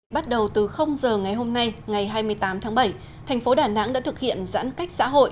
bắt đầu từ giờ ngày hôm nay ngày hai mươi tám tháng bảy thành phố đà nẵng đã thực hiện giãn cách xã hội